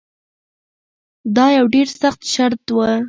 دا یو ډیر سخت شرط و.